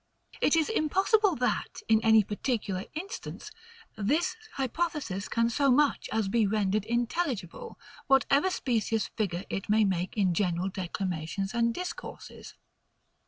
It is impossible that, in any particular instance, this hypothesis can so much as be rendered intelligible, whatever specious figure it may make in general declamations and discourses.